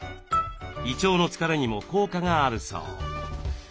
胃腸の疲れにも効果があるそう。